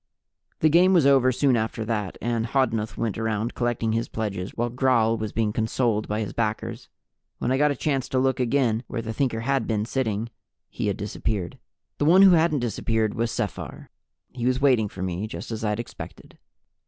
The game was over soon after that, and Hodnuth went around collecting his pledges while Gral was being consoled by his backers. When I got a chance to look again where the Thinker had been sitting, he had disappeared. The one who hadn't disappeared was Sephar. He was waiting for me, just as I'd expected.